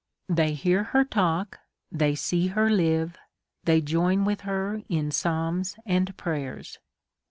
They hear her talk, they see her live, they join with her in psalm's and prayers.